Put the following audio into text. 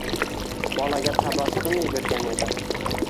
Bolaga tabassum yugurgan edi.